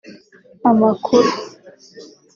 amakuru